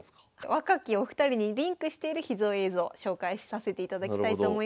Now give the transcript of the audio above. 若きお二人にリンクしている秘蔵映像紹介させていただきたいと思います。